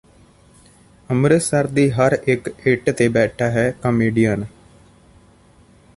ਅੰਮ੍ਰਿਤਸਰ ਦੀ ਹਰ ਇੱਟ ਤੇ ਬੈਠਾ ਹੈ ਕਾਮੇਡੀਅਨ